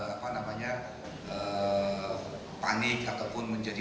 apa namanya panik ataupun menjadi